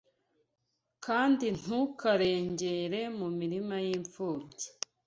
Kandi ntukarengere mu mirima y’imfubyi